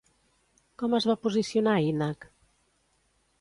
Com es va posicionar Ínac?